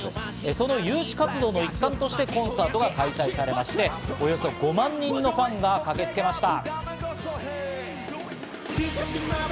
その誘致活動の一環としてコンサートが開催されまして、およそ５万人のファンが駆けつけました。